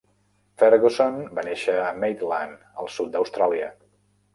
Ferguson va néixer a Maitland, al sud d'Austràlia.